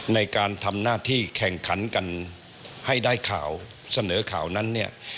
ในการทำหน้าที่แข่งขันกันให้ได้ข่าวเสนอข่าวนั้นเนี่ย